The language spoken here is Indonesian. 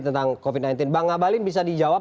tentang covid sembilan belas bang ngabalin bisa dijawab